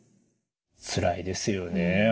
つらいですよね。